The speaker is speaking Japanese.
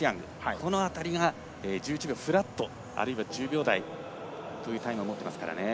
この辺りが１１秒フラットあるいは１０秒台というタイムを持っていますから。